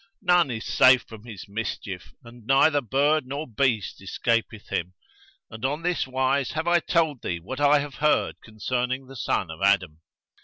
None is safe from his mischief and neither bird nor beast escapeth him; and on this wise have I told thee what I have heard concerning the son of Adam.'